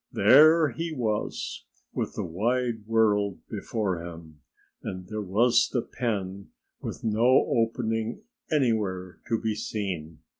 There he was, with the wide world before him. And there was the pen, with no opening anywhere to be seen.